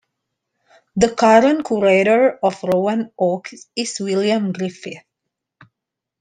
The current curator of Rowan Oak is William Griffith.